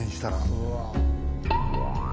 うわ。